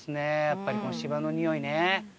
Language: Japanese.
やっぱりこの芝のにおいね。